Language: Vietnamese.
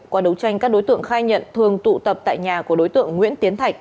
qua đấu tranh các đối tượng khai nhận thường tụ tập tại nhà của đối tượng nguyễn tiến thạch